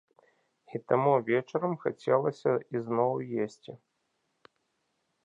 І таму вечарам хацелася ізноў есці.